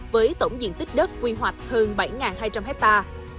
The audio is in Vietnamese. với tổng diện tích đất quy hoạch hơn bảy hai trăm linh hectare